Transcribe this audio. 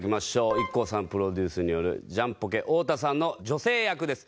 ＩＫＫＯさんプロデュースによるジャンポケ太田さんの女性役です。